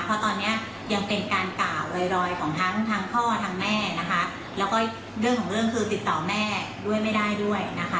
เพราะตอนเนี้ยยังเป็นการกล่าวรอยของทั้งทางพ่อทางแม่นะคะแล้วก็เรื่องของเรื่องคือติดต่อแม่ด้วยไม่ได้ด้วยนะคะ